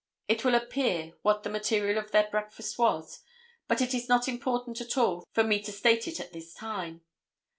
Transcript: It will appear what the material of their breakfast was, but it is not important at all for me to state it at this time.